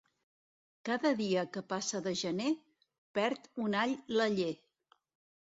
Cada dia que passa de gener, perd un all l'aller.